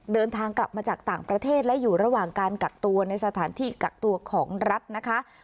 เดินทางกลับมาจากต่างประเทศและอยู่ระหว่างการกักตัวในสถานที่กักตัวของรัฐนะคะ